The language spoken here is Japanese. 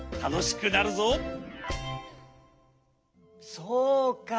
そうか。